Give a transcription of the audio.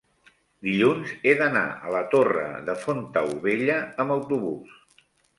dilluns he d'anar a la Torre de Fontaubella amb autobús.